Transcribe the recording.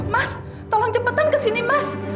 mas tolong cepatan kesini mas